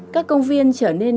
các công viên trở nên nguy hiểm